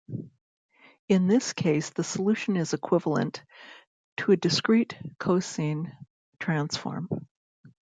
In this case the solution is equivalent to a discrete cosine transform.